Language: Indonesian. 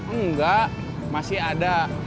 enggak masih ada